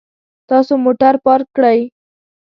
تاسو موټر پارک کړئ